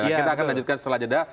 kita akan lanjutkan setelah jeda